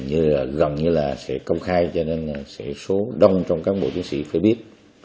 như là gần như là sẽ công khai cho nên sẽ số đông trong cán bộ chiến sĩ phải biết